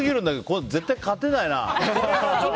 これは絶対勝てないな。